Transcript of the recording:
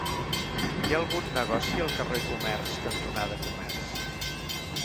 Hi ha algun negoci al carrer Comerç cantonada Comerç?